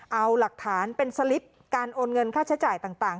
เอาหลักฐานเป็นสลิปการโอนเงินค่าใช้จ่ายต่าง